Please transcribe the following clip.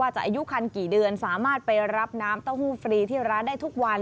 จะอายุคันกี่เดือนสามารถไปรับน้ำเต้าหู้ฟรีที่ร้านได้ทุกวัน